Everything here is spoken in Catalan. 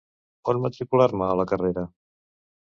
On matricular-me a la carrera?